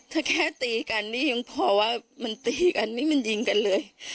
ถ้าแค่ตีกันนี่ยังพอว่ามันตีกันนี่มันยิงกันเลย